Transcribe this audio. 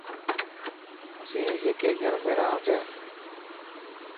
اسين هڪي گھر ۾ رهنا پيا.